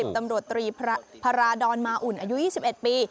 ตำรวจตรีพระราดอนมาอุ่นอายุ๒๑ปี